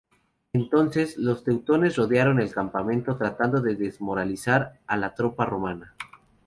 Entonces, los teutones rodearon el campamento tratando de desmoralizar a la tropa romana.